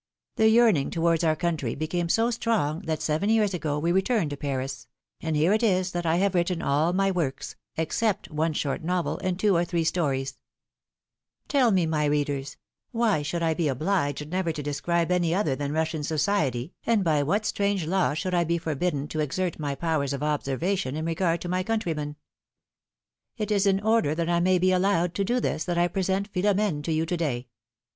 The yearning towards our country became^ so strong that seven years ago we returned to Paris; and here it is that I have written all my works, except one short novel and two or three stories. author's preface. 13 Tell me, my readers, why should I be obliged never to describe any other than Russian society, and by what strange law should I be forbidden to exert my powers of observation in regard to my countrymen ? It is in order that I may be allowed to do this, that I present Philomme to you to day.